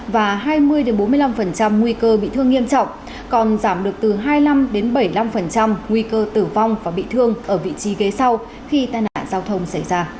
và hai mươi bốn mươi năm nguy cơ bị thương nghiêm trọng còn giảm được từ hai mươi năm bảy mươi năm nguy cơ tử vong và bị thương ở vị trí ghế sau khi tai nạn giao thông xảy ra